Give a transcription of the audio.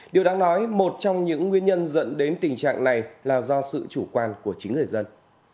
điều đáng nói một trong những nguyên nhân dẫn đến tình trạng này là do sự chủ quan của chính người dân